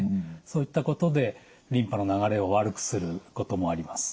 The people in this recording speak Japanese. そういったことでリンパの流れを悪くすることもあります。